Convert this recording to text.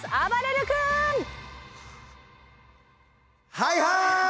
はいはい！